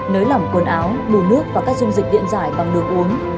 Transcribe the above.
nới lỏng quần áo bù nước và các dung dịch điện giải bằng đồ uống